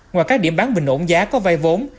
ngoài các điểm bán bình ổn giá có vai vốn